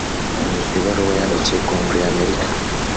Mu ibaruwa yandikiye kongere y’Amerika